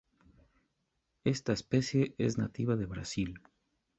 Esta especie es nativa de Brasil.